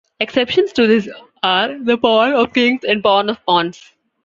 Exceptions to this are the Pawn of Kings and Pawn of Pawns.